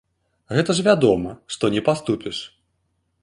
Гэта ж вядома, што не паступіш.